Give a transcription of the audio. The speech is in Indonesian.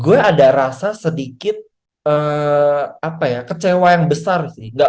gue ada rasa sedikit kecewa yang besar sih